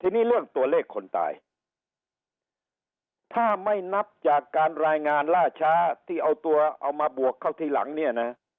ทีนี้เรื่องตัวเลขคนตายถ้าไม่นับจากการรายงานล่าช้าที่เอาตัวเอามาบวกเข้าทีหลังเนี่ยนะ